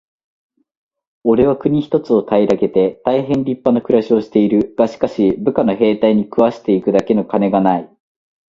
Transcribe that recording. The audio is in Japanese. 「おれは国一つを平げて大へん立派な暮しをしている。がしかし、部下の兵隊に食わして行くだけの金がない。」